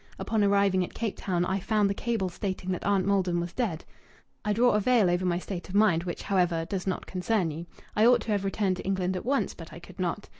Upon arriving at Cape Town I found the cable stating that Aunt Maldon was dead. I draw a veil over my state of mind, which, however, does not concern you. I ought to have returned to England at once, but I could not.